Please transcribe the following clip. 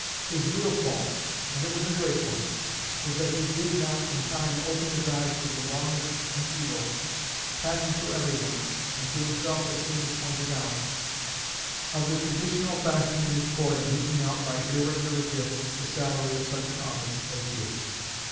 His real fault and it was a great one was that he did not in time open his eyes to the wrongness and evil, patent to every one, and to himself as soon as pointed out, of the traditional fashion in his court of eking out by irregular gifts the salary of such an office as his.